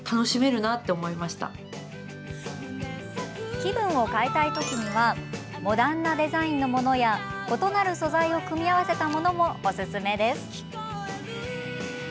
気分を変えたい時はモダンなデザインのものや異なる素材を組み合わせたものもおすすめです。